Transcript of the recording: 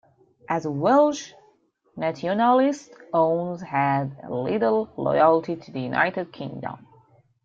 As a Welsh nationalist, Owens had little loyalty to the United Kingdom.